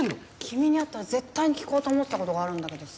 君に会ったら絶対に聞こうと思ってた事があるんだけどさ。